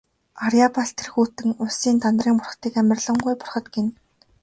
Арьяабал тэргүүтэн үйлсийн Дандарын бурхдыг амарлингуй бурхад гэнэ.